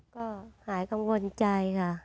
ก็หายกังวลใจค่ะ